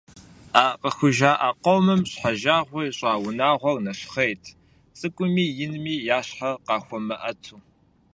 А къыхужаӀэ къомым щхьэжагъуэ ищӀа унагъуэр нэщхъейт, цӀыкӀуми инми я щхьэр къахуэмыӀэту.